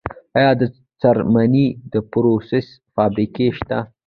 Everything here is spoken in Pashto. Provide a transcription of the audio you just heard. آیا د څرمنې د پروسس فابریکې شته؟